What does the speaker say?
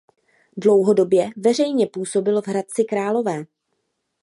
Dlouhodobě veřejně působil v Hradci Králové.